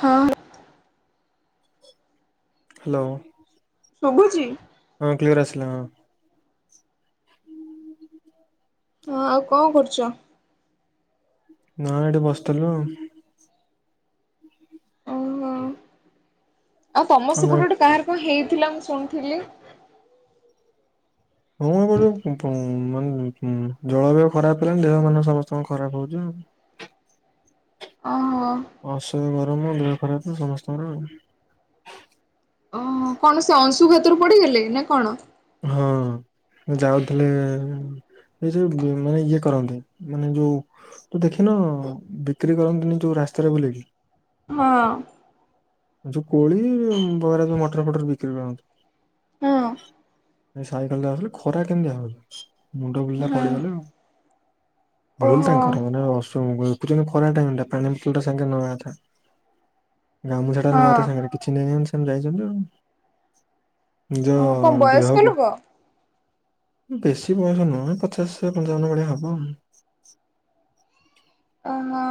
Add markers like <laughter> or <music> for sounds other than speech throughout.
ହଁ। ହ୍ୟାଲୋ। ସୁବୁଛି? ହଁ କ୍ଲିୟର ଆସିଲା ହଁ। ହଁ ଆଉ କଣ କରୁଛ? ନା ଏଠି ବସିଥିଲୁ ଆଉ। ଓହୋ ଆଉ ତମ ସବୁ ଗୋଟେ କାହାର କଣ ହେଇ ଥିଲା ମୁଁ ଶୁଣିଥିଲି। ହଁ କହୁଛୁ ମାନେ ଜଳବାୟୁ ଖରାପ ହେଲାଣି ଦେହ ମାନ ସମସ୍ତଙ୍କ ଖରାପ ହଉଛି। <inaudible> ଓହୋ <unintelligible> ତମ ଦେହ ଖରାପ ତ ସମସ୍ତଙ୍କର ଆଉ। ହ କଣ ସେ ଅଂଶୁଘାତରୁ ପଡିଗଲେ ନା କଣ? ହଁ ଯାଉଥିଲେ ଇଏ ଯୋ ମାନେ ଇଏ କରନ୍ତି ମାନେ ଯୋଉ ଦେଖିନ ବିକ୍ରି କରନ୍ତନି ଯୋଉ ରାସ୍ତାରେ ବୁଲେଇକି। ହଁ। ଯୋଉ କୋଳି ବରା ମଟର ପଟର ବିକ୍ରି କରନ୍ତି। ହଁ। ଏ ସାଇକେଲ ଟା ଆସଲେ ଖରା କେମିଦିଆ ହୋଉଛି। ମୁଣ୍ଡ ବୁଲିଲା ପଡିଗଲା ଆଉ। ଭୁଲ ଓହୋ ତାଙ୍କର ମାନେ ଦେଖୁଛନ୍ତି ଖରା ଟାଇମଟା ପାଣି ବତଲ ଟା ସାଙ୍ଗେରେ ନବା କଥା। ହଁ। <inaudible> ସାଙ୍ଗରେ କିଛି ନାଇ। ସେମ ଯାଇଛନ୍ତି ଆଉ। ନିଜ ଓ କଣ ବୟସ୍କ ଦେହକୁ। ଲୋକ? ବେଶି ବୟସ ନୁହଁ ପଚାଶ ପଞ୍ଚାବନ ଭଳିଆ ହବ। ଓହୋ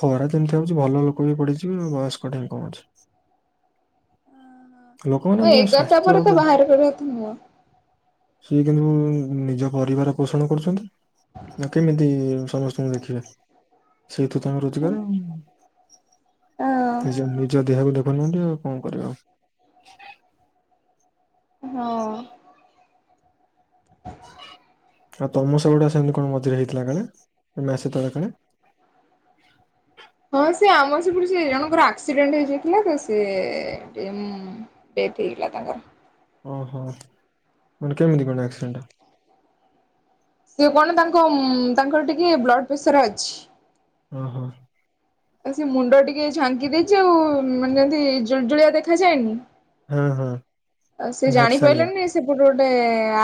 ଖରା। ସେମତି ଭାବୁଛି ଭଲ ଲୋକ ବି ପଢିଛିି ବୟସ୍କ ଙ୍କଠି କଣ ଅଛି। ଲୋକମାନେ ହଁ ଆମ ଏଗାରଟା ସ୍ୱାସ୍ଥ୍ୟ ପରେ ତ ଉପରେ ବାହାର କରିବ ତୁ ମୋର ସିଏ କିନ୍ତୁ ନିଜ ପରିବାର ପୋଷଣ କରୁଛନ୍ତି ଆଉ କେମିତି ସମସ୍ତଙ୍କୁ ଦେଖିବେ ସେଇଥିୁ ତାଙ୍କ ରୋଜଗାର ଅ ଜ ଯଦି ହେଲା ଭୁଲନ୍ତି ଆଉ କଣ କରିବା। ହଁ ଆଉ ତମସହ ଗୁଡା ସେମିତି କଣ ମଝିରେ ହେଇଥିଲା ତମ ସହିତ କାଳେ ହଁ ସେ ଆମର ସେପଟ ସେ ଜଣଙ୍କର ଆକ୍ସିଡେଣ୍ଟ ହେଇଯାଇଥିଲା ତ ସେ ଉଁ ଡେଥ ହେଇଗଲା ତାଙ୍କର ଓହୋ କେମିତି କଣ ଆକ୍ସିଡେଣ୍ଟ? ସେ କଣ ତାଙ୍କ ଉଁ ତାଙ୍କର ଟିକେ ବ୍ଲଡ଼ ପ୍ରେସର ଅଛି। ଓହୋ। ଆଉ ସେ ମୁଣ୍ଡ ଟିକେ ଝାଙ୍କି ଦେଇଛି ଆଉ ମାନେ ଯେମିତି ଜୁଳିଜୁଳିଆ ଦେଖାଯାଏନି ହଁ ହଁ ଆ ସେ ଜାଣି ଝାପସାଳିଆ ପାଇଲାନି ସେ ଗୋଟେ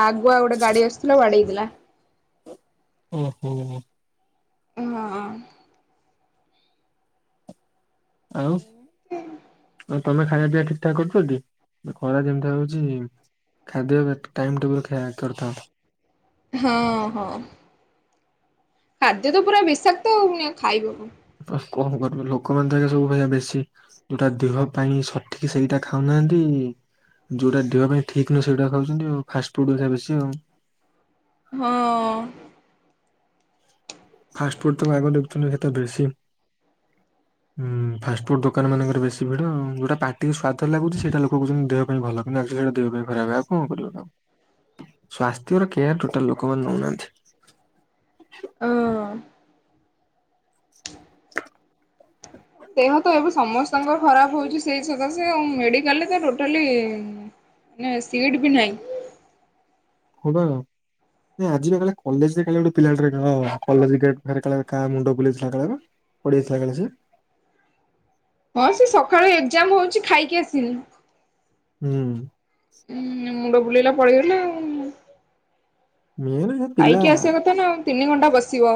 ଆଗୁଆ ଗୋଟେ ଗାଡି ଆସୁଥିଲା ବାଡେଇଦେ ଲା ହୁଁ ହୁଁ ହୁଁ ଉଁ ହଁ ଆଉ ଏମିତି ଆଉ ତମେ ଖାଇବା ପିଇବା ଠିକ୍ ଠାକ୍ କରୁଛ କି ଖରା ଯେମିତି ହଉଛି ଖାଦ୍ୟ ଟାଇମ୍ ଟେବୁଲ ଖା ଖାଇ କରୁଥାଅ। ହଁ ହଁ ଖାଦ୍ୟ ତ ପୁରା ବିଷାକ୍ତ ପୁଣି ଖାଇବ କଣ କଣ ଲୋକମାନେଙ୍କ ସବୁ ବେଶୀ ଯୋଉଟା ଦେହ ପାଇଁ ସଠିକ ସେଇଟା ଖାଉନାହାନ୍ତି ଯୋଉଟା ଦେହ ପାଇଁ ଠିକ ନୁହଁ ସେଇଟା ଖାଉଛନ୍ତି ଆଉ ଫାଷ୍ଟଫୁଡା ବେଶୀ ଆଉ ହଁ ଫାଷ୍ଟ ଫୁଡ ତା ଆଗ ଦେଖୁଛନ୍ତି ବେଶୀ ଫାଷ୍ଟ ଫୁଡ ଦୋକାନ ମାନଙ୍କର ବେଶୀ ଭିଡ ଯୋଉଟା ପାଟିକୁ ସ୍ୱାଦ ମତୋଗୁଛି ସେଇଟ ଲୋକ କଛନ୍ତି ଦେହ ପାଇଁ ଭଲ ଆଚଲି ସେଟା ଦେହ ପାଇଁ ଖରାପ ହେବ। କଣ କରିବୁ ନା ସ୍ଵାସ୍ଥ୍ୟର କେୟାର ଟୋଟାଲ ଲୋକମାନେ ନେଉନାହାନ୍ତି। ହଁ। ଦେହ ତ ଏବେ ସମସ୍ତଙ୍କ ଖରାପ ହଉଛି ସେଇ ସକାଶେ ମେଡିକାଲରେ ଟୋଟାଲି ମାନେ ସିଟ ବି ନାହିଁ। ହଁ ପା ଆଜିର କଲେଜ ଗୋଟେ ପିଲା କାହାଣ୍ଡ ବଳେ ପେଇଳେଇଲା ସେ ହଁ ସେ ସକାଳ ଏକ୍ଜାମ ହଉଛି। ଖାଇକି ଆସିଲି ହୁଁ। ହୁଁ ମୁଣ୍ଡ ବୁଲେଇଲା ପଡିଗଲା ଆଉ। ମେନ ଯୋଉ ପିଲା ଖାଇକି ଆସିବା କଥା ନା ଆଉ ତିନି ଘଣ୍ଟା ବସିବ।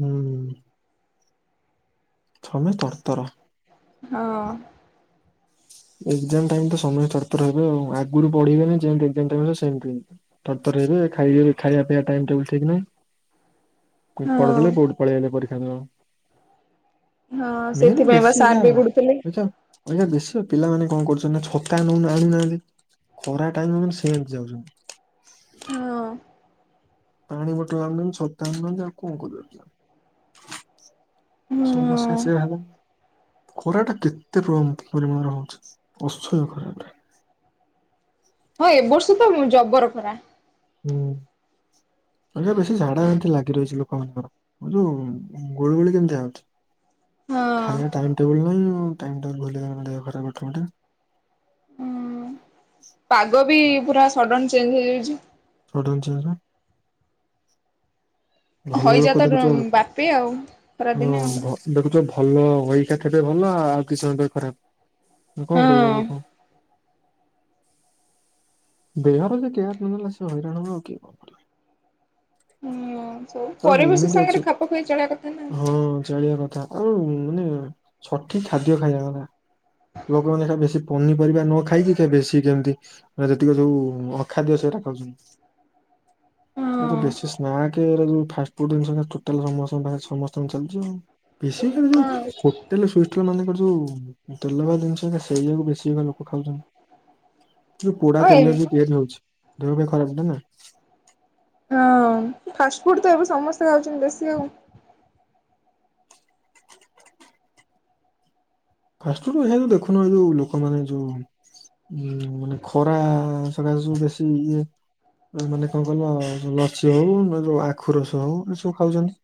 ହୁଁ। ଥମେ ତରତର। ହଁ। ଏଗଜାମ୍ ଟାଇମ୍ ତ ସମୟେ ତରତର ହେବେ ଆଉ ଆଗରୁ ପଢେଇବେନି ଯେମିତି ଏଗଜାମ୍ ଟାଇମ୍ ସେମିତି ତରତର ହେବେ ଖାଇବେ ଖାଇବା ପିଇବା ଟାଇମ୍ ଟେବୁଲ ଠିକ ନାହିଁ। କୁଁ ହଁ ପଢିଦେଲେ ବହୁତ ପଳେଇଲେ ପରୀକ୍ଷା ହାଲୋ। ହଁ ସେଥିପାଇଁ ବା ସାର ବିଗୁଡୁଥିଲେ। ଅଇକା ଅଇକା ବେଶୀ ପିଲାମାନେ କଣ କରୁଚନ୍ତି ନା ଛତା ନଉ ଆଣୁନାହାନ୍ତି ଖରା ଟାଇମ୍ ମାନେ ସେମିତି ଯାଉଚନ୍ତି? ହଁ ପାଣି ବୋଟଲ ଆଣୁନାହାନ୍ତି ଛତା ଆଣୁ ନାହାନ୍ତି ଆଉ କଣ କରିବୁ ସେମାନଙ୍କୁ। ହଁ ସମସ୍ୟା ସେଇଆ ହେଲା। ଖରଟା କେତେ ପ୍ର ପରିମାଣରେ ହୋଉଚି ଅସହ୍ୟ ଖରା। ହଁ ଏ ବର୍ଷ ତ ଜବର ଖରା। ହୁଁ ଏବେ ବେଶୀ ଝାଡା ଏମିତି ଲାଗି ରହିଚି ଲୋକମାନଙ୍କର ଯୋଉ ଗୁଳି ଗୁଳି କେମିତିଆ ଯାଉଚି। ହଁ ଖାଇବା ଟାଇମ୍ ଟେବୁଲ ନାହିଁ ଆଉ। ହୁଁ ଟାଇମ୍ ଟେବୁଲ୍ ଭୁଲ ହେଲେ ଦେହ ଖରାପ୍ ଅଟମେଟିକ୍। ପାଗ ବି ପୁରା ସଡନ୍ ଚେଞ୍ଜ ହେଇଯାଉଚି। ସଡନ୍ ଚେଞ୍ଚେ। ହଇଯା ତ ର ବାପେ ଆଉ ହଁ ଖରାଦିନେ ଆଉ। ଭ- ଦେଖୁଛ ଭଲ <unintelligible> ଭଲ ଆଉ କିଛି ସମୟ ପରେ ଖରା। ଆଉ କଣ କହିଵ ହଁ ଲୋକଙ୍କୁ। ଦେହର ଯେ କେୟାର ନ ନେଲା ସେ ହଇରାଣ ହବ କିଏ କଣ କରିବ। ହୁଁ ସବୁ ତାର ପରିବେଶ ଲିମିଟ ଅଛି ସାଙ୍ଗରେ ଖାପ ଖୁଆଇ ଚଳିବା କଥା ନା। ହଁ ଚଳିବା କଥା ଆଉ ମାନେ ସଠିକ ଖାଦ୍ୟ ଖାଇବା କଥା। ଲୋକମାନେ ହେଟା ବେଶି ପନି ପରିବା ନ ଖାଇକି ସେ ବେଶି ଦିଅନ୍ତି। ଯୋଉ ଅଖାଦ୍ୟ ସେଇଟା ଖାଉଛନ୍ତି ହଁ ବେସି ନ୍ସାକ ଫାଷ୍ଟ୍ ଫୁଡ୍ ଜିନିଷ ସମସ୍ତ <unintelligible> ଜୁମ୍। ବେସିକାଲି ଯୋଉ ହଁ ହୋଟେଲ ସୁଇଟର ମାନଙ୍କରେ ଯୋଉ ଯୁ ତେଲ ଜିନିଷ ସେଇଟାକୁ ବେଶୀ ଲୋକ ଖାଉଛନ୍ତି କିନ୍ତୁ ପୋଡା ତେଲ ହଁ ବି ତିଆରି ହଉଛି। ଦେହ କୁ ଏ ଖରାପ ଏଟା ନା। ହଁ ଫାଷ୍ଟଫୁଡ ତ ଏବେ ସ ସମସ୍ତେ ଖାଉଛନ୍ତି ବେଶୀ ଆଉ। ଫାଷ୍ଟଫୁଡ ଏ ଯୋଉ ଦେଖୁନ ଏ ଯୋଉ ଲୋକମାନେ ଯୋଉ ମାନେ ଖରା ସକାଶେ ଯୋଉ ବେଶୀ ଇଏ ମାନେ କଣ କହିଲ ଲସି ହଉ ଯୋଉ ଆଖୁ ରସ ହଉ ଏ ସବୁ ଖାଉଛନ୍ତି।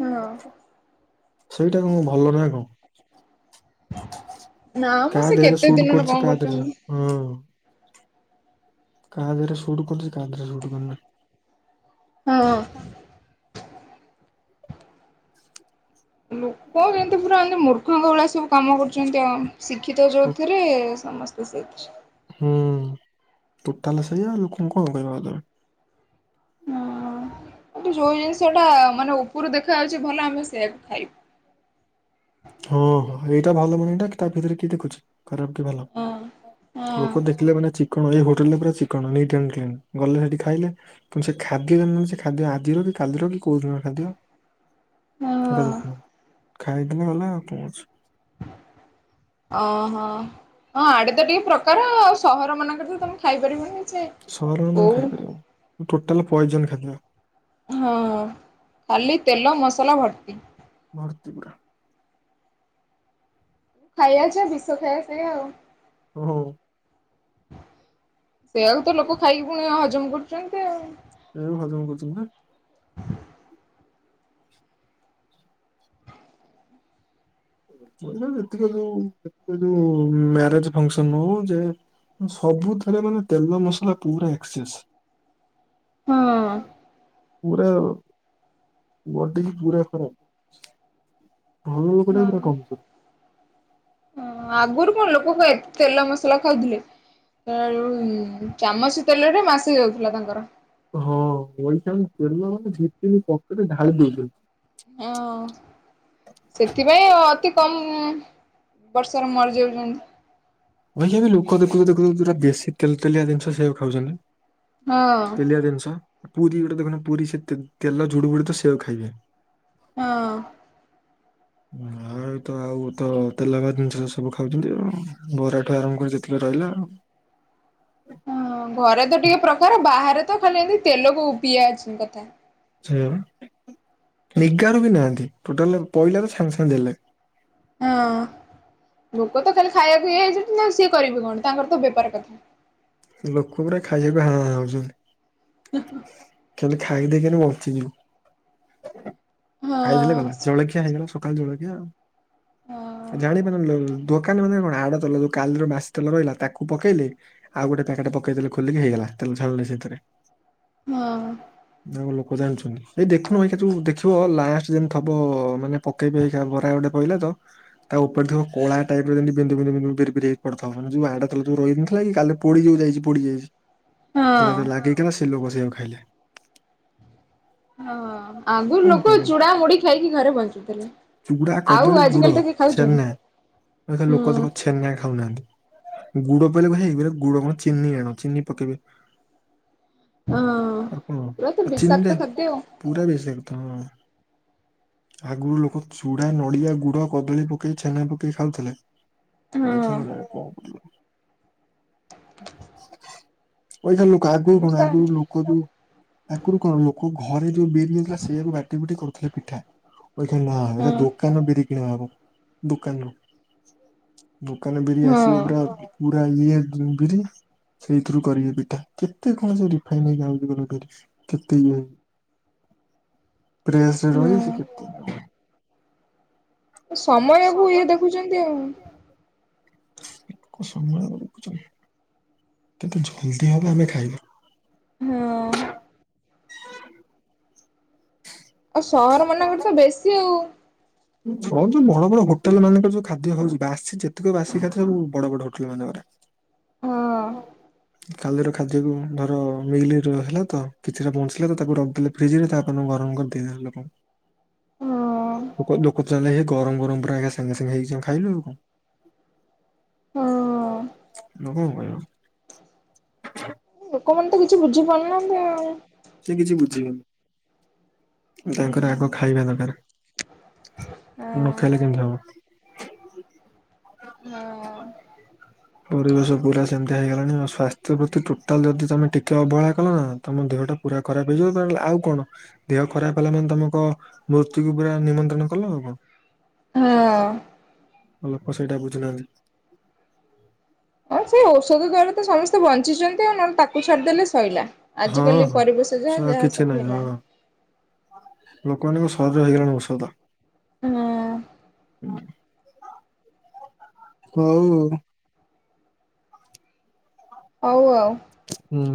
ହଁ ସେଇଟା କଣ ଭଲ ନାଁ କଣ? ନା ମ କା ସେ ଦେହରେ କେତେ ସୁଟ ଦିନରୁ କରୁଛି କଣ କା ଦେହରେ କରୁଛନ୍ତି ହଁ। କାହା ଦେହରେ ସୁଟ୍ କରୁଛି କାଦରେ ସୁଟ୍ କରୁନି। ହଁ। ଲୋକ କେନ୍ତି ପୁରା ଅର୍ ମୁର୍ <unintelligible> ଭଳିଆ ସବୁ କାମ କରୁଛନ୍ତି ଆଉ। ଶିକ୍ଷିତ ଟୋ ଯଉଥିରେ ସମ <unintelligible> ହୁଁ ଟୋଟାଲ ସେଇଆ ଲୋକଙ୍କୁ କଣ କହିବ ଆଉ ତମେ। ହୁଁ। ହଁ। ଯୋଉ ଜିନିଷ ଟା ମାନେ ଉପରୁ ଦେଖା ଯାଉଛି ଭଲ ଆମେ ସେଇଆକୁ ଖାଇବୁ। ହଁ ହଁ ଏଇଟା ଭଲ ମାନେ ଟା କି ତା ଭିତରେ କି ଦେଖୁଛି। ଖରାପ କି ଭଲ, ହଁ ହଁ ଲୋକ ଦେଖିଲେ ମାନେ ଚିକ କଣ ହୋଟେଲରେ ପୁରା ଚିକଣ ନିଟ୍ ଆଣ୍ଡ କ୍ଲିନ୍ ଗଲେ ସେଠି ଖାଇଲେ କିନ୍ତୁ ସେ ଖାଦ୍ୟ ଯେ ମିଳୁଛି ସେ ଖାଦ୍ୟ ଆଜିର କି କାଲିର କି କୋଉ ଦିନର ଖାଦ୍ୟ ହଁ ସେଇଟା ଖାଇ ଗଲେ ଗଲା ଆଉ କଣ ଅଛି। ଓହୋ। ହଁ ଆଡେ ତ ଟିକେ ପ୍ରକାର ଆଉ ସହର ମାନଙ୍କରେ ତ ତମେ ଖାଇ ପାରିବନି। ସହରରେ ତୁମେ ଖାଇ ପାରିବନି, ଟୋଟାଲ ପଏଜନ ଖାଦ୍ୟ। ହଁ ଖାଲି ତେଲ ମସଲା ଭର୍ତି। ଭର୍ତ୍ତିପୁରା। ଖାଇବା ଯାହା ବିଷ ଖାଇବା ସେଇଆ ଆଉ। ହୁଁ। ସେଇଆକୁ ତ ଲୋକ ଖାଇକି ପୁଣି ହଜ ହଜମ କରୁଛନ୍ତି ଆଉ। ସେଇଆକୁ ହଜମ କରୁଛନ୍ତି ବା। <unintelligible> <unintelligible> କ ଯୋ ଯୋଉ ମ୍ୟାରେଜ ଫଙ୍କସନ ହଉ ଯେ ସବୁଥିରେ ମାନେ ତେଲ ମସଲା ପୁରା ଏକ୍ସେସ। ହଁ। ପୁରା ବଡିକି ପୁରା ଖରାପ। ହଁ ଗୋଟେ ଟାଇପ୍ ର ହଁ। କମ୍ପୋ ଆଗରୁ ଲୋକ କଣ ଏତେ ତେଲ ମସଲା ଖାଉଥିଲେ ଆ ଳୁ ଚାମଚ ତେଲରେ ମାସେ ଯାଉଥିଲା ତାଙ୍କର। ହଁ ପଇସା ଆଉ ତେଲ ଦି ତିନି ପକଟେ ଢାଳି ଦଉଚନ୍ତି। ହଁ ସେଥିପାଇଁ ଅତି କମ୍ ବର୍ଷରେ ମରିଯାଉଚନ୍ତି। ଭାଇ, ଲୋକ ଦେଖୁଚୁ ଦେଖୁୁଚୁ ପୁରା ବେଶୀ ତେଲ ତେଲିଆ ଜିନିଷ ସେଇୟାକୁ ଖାଉଛନ୍ତି। ହଁ ତେଲିଆ ଜିନିଷ। ପୁରୀ ଗୋଟେ ଦେଖୁନ ପୁରୀ ସେ ତେଲ ଝୁଡୁ ବୁଡ ତ ସେଇଆକୁ ଖାଇବେ। ହଁ। ଆ ତ ଆଉ ତ ତେଲ ହବା ଜିନିଷ ସବୁ ଖାଉଛନ୍ତି। ଆ ବରାଠୁ ଆରମ୍ଭ କରି ଯେତିକି ରହିଲା ଆଉ। ହଁ ଘରେ ତ ଟିକେ ପ୍ରକାର। ବାହାରେ ତ ଖାଲି ଏମିତି ତେଲକୁ ପିଆ ଅଛି କଥା ସେୟା ନିଗାରୁ ବି ନାହାନ୍ତି ଟୋଟାଲ ପଇଲା ତ ସାଙ୍ଗେ ସାଙ୍ଗେ ଦେଲେ। ହଁ। ଲୋକ ତ ଖାଲି ଖାଇବାକୁ ଇଏ ହେଇଛନ୍ତି ନା ସିଏ କରିବେ କଣ ତାଙ୍କର ତ ବେପାର କଥା। ଲୋକଗୁରା ଖାଇବାକୁ ହାଁ ହାଁ ହଉଛନ୍ତି। ଖାଲି ଖାଇ ଦେଇକି <inaudible> ହଁ ଖାଇଦେଲେ ଗଲା। ଜଳଖିଆ ହେଇଗଲା। ସକାଳ ଜଳଖିଆ ଆଉ। ହଁ ଜାଣିପାରୁ ନାହାନ୍ତି, ଦୋକାନମାନେ କଣ ହାଡ ତେଲ ଯୋଉ କାଲିର ମାସ ତେଲ ରହିଲା ତାକୁ ପକେଇଲେ। ଆଉ ଗୋଟେ ପ୍ୟାକେଟ ପକେଇଦେଲେ ଖୋଲିକି ହେଇଗଲା ତେଲ ଛାଣିଲେ ସେଥିରେ। ହଁ। କନ ଜାଣୁଛନ୍ତି ଏଇ ଦେଖୁନ ଏଇ ସେ ଯୋଉ ଦେଖିବ ଲାଷ୍ଟ ଯେମିତି ଥବ ମାନେ ପକେଇ ବେ ଏଇକ୍ଷିଣା ବରା ଗୋଟେ ପଇଲା ତ ତା ଉପରେ ଥିବା କଳା ଟାଇପର ଯେମିତି ବିନ୍ଦୁ ବିନ୍ଦୁ ବିନ୍ଦୁ ବିରି ବିରି ହେଇ ପଡିିଥବ ଯୋଉ ଆଡ ତେଲ ଯୋଉ ରହିଯାଇନଥିଲା କି କାଲି ପୋଡି ଉ ଯାଇଚି ପଡି ଯାଇଚି ସେରା ହଁ। ଜ ଲାଗିକିନା ସେ <unintelligible> ଖାଇଲେ ହଁ ଆଗରୁ କଣ ଲୋକ କହିବୁ ଚୁଡା ମୁୁଡି ଖାଇକି ଘରେ ବଞ୍ଚୁଥିଲେ ଚୁଡା ଆଉ କଦଳୀ ଗୁଡ ଆଜିିକାଲି ତାକୁ କିଏ ଛେନା ଏ ଖାଉଚନ୍ତି ଲୋକ ହୁଁ। ଦେଖ ଛେନା ଖାଉନାହାନ୍ତି ଗୁଡ ପଇଲେ ଭାଇ ମେରେ ଗୁଡ କଣ ଚିନି ଆଣ ଚିନି ପକେଇବେ ହଁ ଆଉ କଣ ପୁରା ତ ଚିନିଟା ବିଷାକ୍ତ ଖାଦ୍ୟ ପୁରା ବେଶୀ ହଁ କଥା ଆଗରୁ ଲୋକ ଚୁଡା ନଡିଆ ଗୁଡ କଦଳୀ ପକେଇ ଛେନା ପକେଇ ଖାଉଥିଲେ। ଆଜି ହଁ <unintelligible> ଏଇ କ୍ଷିଣା ଲୋକ ଆଗରୁ ମୁଁ କଣ ସା ଆଗରୁ ଲୋକ ଯୋଉ ଆଗରୁ କଣ ଲୋକ ଘରେ ଯୋଉ ବିରି ହୋଉଥିଲା ସେଇଆକୁ ବାଟି ବୁଟି କରୁଥିଲେ ପିଠା ଏଇ ଖୁଣି ନା ହଁ ଏଇକ୍ଷିଣା ଦୋକାନ ବିରି କିଣା ହବ ଦୋକାନରୁ ଦୋକାନ ବିରି ହଁ ଆସିବ ପୁରା ପୁରା ଇଏ ବିରି ସେଇଥିରୁ କରିବେ ପିଠା କେତେ କଣ ସେ ରିଫାଇନ ହେରିକା ଆଣିକି <unintelligible> କେତେ ଇଏ ପ୍ରେସରେ ହଁ ରହି କେତେ ସମୟକୁ ଇଏ ଦେଖୁଛନ୍ତି ଆଉ। <unintelligible> କିନ୍ତୁ ଜଲଦି ହବ ଆମେ ଖାଇବା। ହଁ। ଆଉ ସହରମାନଙ୍କରେ ତ ବେଶୀ ଆଉ। ହ ଯୋଉ ବଡ ବଡ ହୋଟେଲମାନଙ୍କରେ ଯୋଉ ଖାଦ୍ୟ ହଉଛି, ବାସି ଯେତକ ବାସି ଖାଦ୍ୟ ସବୁ ବଡ ବଡ ହୋଟେଲମାନଙ୍କରେ। ହଁ <unintelligible> କାଲିର ଖାଦ୍ୟକୁ ଧର ମିଲର ହେଲା ତ କିଛିଟା ବଞ୍ଚିଲା ତ ତାକୁ ରଖିଦେଲେ ଫ୍ରିଜରେ ତାପରଦିନ ଗରମ କରିଦେଇଦେଲେ ଲୋକଙ୍କୁ। ହଁ। ହୁଁ। <unintelligible> ଗରମ ଗରମ ପୁରା ଆା ସାଙ୍ଗେ ସାଙ୍ଗେ ହେଇଚି ଖାଇଲୁ ଆଉ କଣ। ହଁ <unintelligible> <unintelligible> ଲୋକମାନେ ତ କିଛି ବୁଝିପାରୁନ୍ତି ଆଉ। ସେ କିଛି ବୁଝିବେନି ତାଙ୍କର ଆଗ ଖାଇବା ଦରକାର। ହଁ ନଖାଇଲେ କେମିତି ହବ? ହଁ ପରିବେଶ ପୁରା ସେମିତି। ହେଇଗଲାଣି ସ୍ବାସ୍ଥ୍ୟ ପ୍ରତି ଟୋଟାଲ ଯଦି ତମେ ଟିକେ ଅବହେଳା କଲ ନା ତମ ଦେହଟା ପୁରା ଖରାପ ହେଇଯିବ ଆଉ କଣ ଦେହ ଖରାପ ହେଲା ମାନେ ତମ ମୃତ୍ୟୁକୁ ପୁରା ନିମନ୍ତ୍ରଣ କଲ ଆଉ କଣ। ହଁ। ଲୋକ ସେଇଟା ବୁଝୁନାହାନ୍ତି। ହଁ ସେ ଔଷଧ ଦ୍ୱାରା ତ ସମସ୍ତେ ବଞ୍ଚିଛନ୍ତି ଆଉ ନହେଲେ ତାକୁ ଛାଡିଦେଲେ ସଇଲା। ଆଜ ହଁ କାଲି ହଁ। ପରିବେଶ ଯାହା ସ ଯାହା କିଛି ସବୁ ନାହିଁ ହେଲାଣି। ହଁ ଲୋକମାନଙ୍କ ସହଜ ହେଇଗଲାଣି ଔଷଧ। ହଁ ହଉ। ହଉ ଆଉ। ହୁଁ।